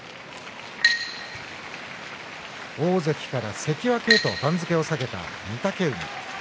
大関から関脇へと番付を下げた御嶽海。